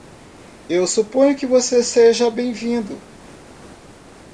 Eu suponho que você seja bem-vindo.